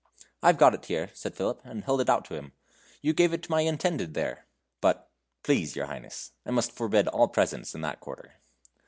"I've got it here," said Philip, and held it out to him. "You gave it to my intended there; but, please your Highness, I must forbid all presents in that quarter."